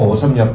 một ổ xâm nhập